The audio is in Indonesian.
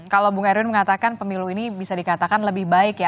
kalau bung erwin mengatakan pemilu ini bisa dikatakan lebih baik ya